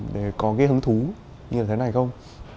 để có cái hứng thú như thế này không